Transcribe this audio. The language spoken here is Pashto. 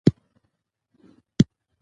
د ولس ملاتړ د هرې پرېکړې وزن ټاکي